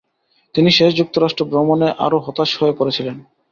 তিনি শেষ যুক্তরাষ্ট্র ভ্রমণে আরও হতাশ হয়ে পড়েছিলেন।